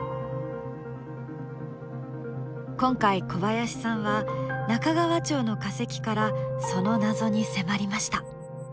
今回小林さんは中川町の化石からその謎に迫りました。